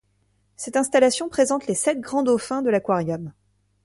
Cette installation présente les sept grands dauphins de l'aquarium.